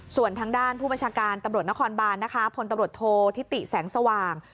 ส่วนทางด้านผู้บัญชาการตำรวจนครบานนะคะพลตำรวจโทษทิติแสงสว่าง